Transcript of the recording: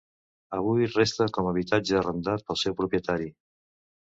Avui resta com a habitatge arrendat pel seu propietari.